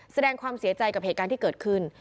แสดงความเสียใจกับเหตุการณ์ที่เกิดขึ้น